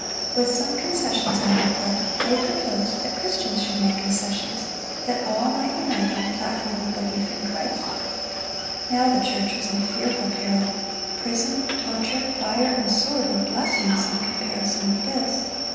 With some concessions on their part, they proposed that Christians should make concessions, that all might unite on the platform of belief in Christ. Now the church was in fearful peril. Prison, torture, fire, and sword were blessings in comparison with this.